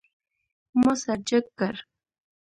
ما سر جګ کړ.